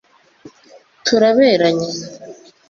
Turaberanye